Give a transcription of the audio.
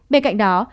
bên cạnh đó